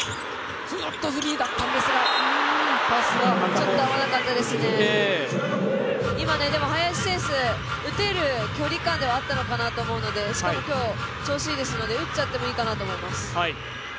ちょっと合わなかったですね、ただ、今、林選手、打てる距離感ではあったのかなと思いますので、しかも今日調子いいですので、打っちゃってもいいかなと思います。